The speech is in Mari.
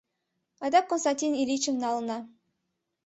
Адак Константин Ильичым налына.